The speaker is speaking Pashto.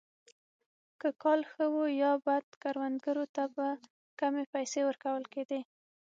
که کال ښه وو یا بد کروندګرو ته به کمې پیسې ورکول کېدې.